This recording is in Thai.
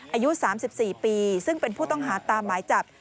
อายุ๓๔ปีซึ่งเป็นผู้ต้องหาตามหมายจับ